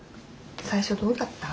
最初どうだった？